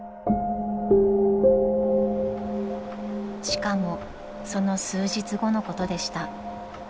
［しかもその数日後のことでした］